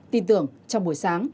tin tưởng trong buổi sáng